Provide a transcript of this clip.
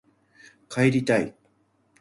帰りたい